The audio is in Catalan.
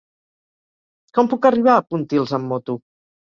Com puc arribar a Pontils amb moto?